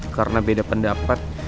karena beda pendapat